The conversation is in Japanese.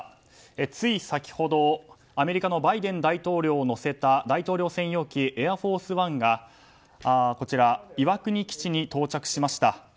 つい先ほど、アメリカのバイデン大統領を乗せた大統領専用機「エアフォースワン」が岩国基地に到着しました。